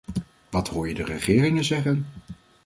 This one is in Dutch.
Wat hoor je de regeringen zeggen?